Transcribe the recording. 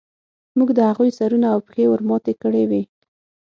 موږ د هغوی سرونه او پښې ورماتې کړې وې